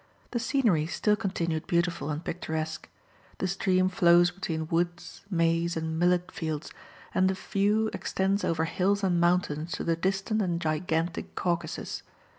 The scenery still continued beautiful and picturesque. The stream flows between woods, maize, and millet fields, and the view extends over hills and mountains to the distant and gigantic Caucasus.